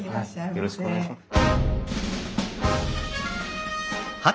よろしくお願いします。